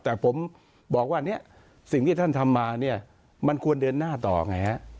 แต่ผมบอกว่าเนี่ยสิ่งที่ท่านทำมาเนี่ยมันควรเดินหน้าต่อไงฮะ